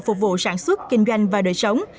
phục vụ sản xuất kinh doanh và đời sống